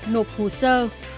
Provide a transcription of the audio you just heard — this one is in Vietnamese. nộp hồ sơ